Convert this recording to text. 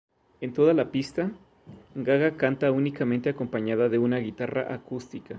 En toda la pista, Gaga canta únicamente acompañada de una guitarra acústica.